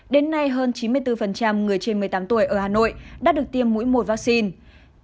đến nay hơn chín mươi bốn người trên một mươi tám tuổi ở hà nội đã được tiêm mũi một vaccine